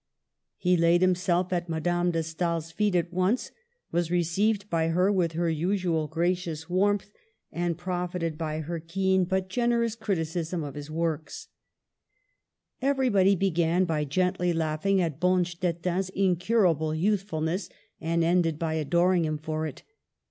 He laid himself at Madame de Stael's feet at once, was received by her with her usual gra cious warmth, and profited by her keen but gen Digitized by VjOOQIC 120 MADAME DE STAML. erous criticism of his works. Everybody began by gently laughing at Bonstetten's incurable youthfulness, and ended by adoring him for it.